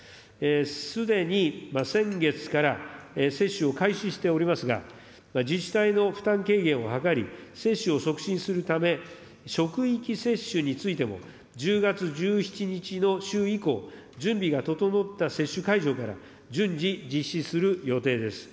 すでに先月から接種を開始しておりますが、自治体の負担軽減を図り、接種を促進するため、職域接種についても、１０月１７日の週以降、準備が整った接種会場から順次、実施する予定です。